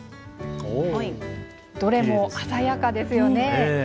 どれも鮮やかですよね。